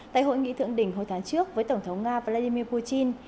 tại hội nghị thượng đỉnh hồi tháng trước với tổng thống nga vladimir putin